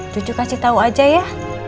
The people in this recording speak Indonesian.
cucu kasih tahu aja ya